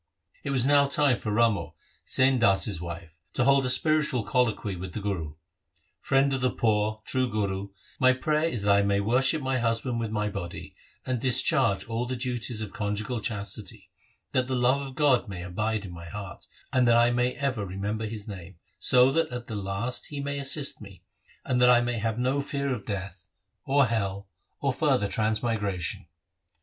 1 It was now time for Ramo, Sain Das's wife, to hold a spiritual colloquy with the Guru —' Friend of the poor, true Guru, my prayer is that I may worship my husband with my body, and discharge all the duties of conjugal chastity, that the love of God may abide in my heart, and that I may ever remember His name, so that at the last He may assist me, and that I may have no fear of death, 1 Devgandhari. 56 THE SIKH RELIGION or hell, or further transmigration.'